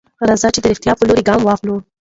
راځئ چې د رښتيا په لور ګام واخلو.